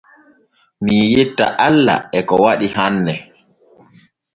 Mii yetta alla e ko waɗi hanne.